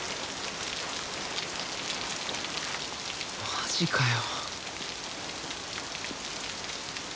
マジかよ。